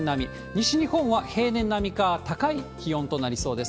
西日本は平年並みか高い気温となりそうです。